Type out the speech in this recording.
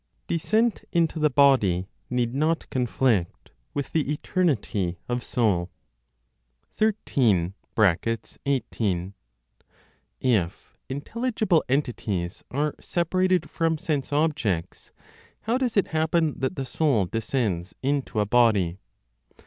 DESCENT INTO THE BODY NEED NOT CONFLICT WITH THE ETERNITY OF SOUL. 13. (18). If intelligible entities are separated from sense objects, how does it happen that the soul descends into a body?